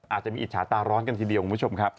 อาจจะมีอิจฉาตาร้อนกันทีเดียวคุณผู้ชมครับ